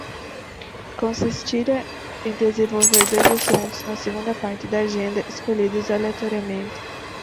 Consistirá em desenvolver dois assuntos na segunda parte da agenda, escolhidos aleatoriamente.